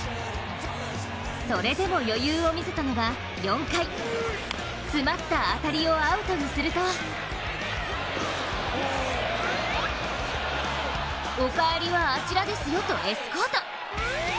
それでも余裕を見せたのが４回詰まった当たりをアウトにするとお帰りはあちらですよとエスコート。